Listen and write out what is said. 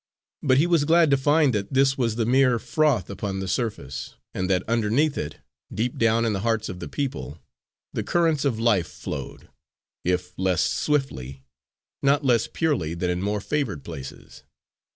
But he was glad to find that this was the mere froth upon the surface, and that underneath it, deep down in the hearts of the people, the currents of life flowed, if less swiftly, not less purely than in more favoured places.